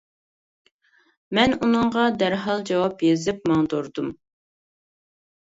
مەن ئۇنىڭغا دەرھال جاۋاب يېزىپ ماڭدۇردۇم.